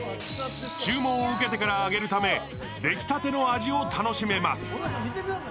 注文を受けてから揚げるため、出来たての味を楽しめます。